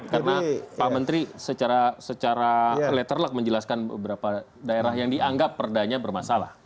karena pak menteri secara letterlock menjelaskan beberapa daerah yang dianggap perda nya bermasalah